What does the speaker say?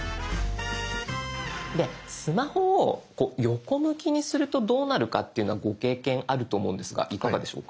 スマホをこう横向きにするとどうなるかっていうのはご経験あると思うんですがいかがでしょうか？